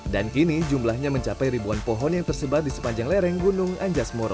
dan kini jumlahnya mencapai ribuan pohon yang tersebar di sepanjang lereng gunung agjas moro